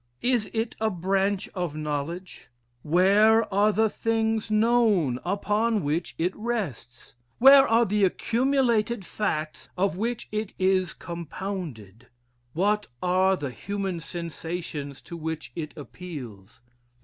Is it a branch of knowledge? Where are the things known upon which it rests? Where are the accumulated facts of which it is compounded? What are the human sensations to which it appeals?